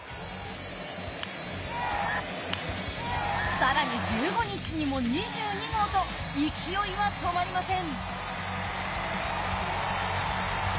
さらに１５日にも２２号と勢いは止まりません。